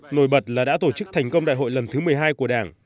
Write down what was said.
nổi bật là đã tổ chức thành công đại hội lần thứ một mươi hai của đảng